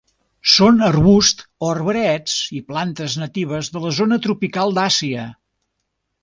Són arbusts o arbrets i plantes natives de la zona tropical d'Àsia.